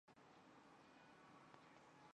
安徽威灵仙为毛茛科铁线莲属下的一个种。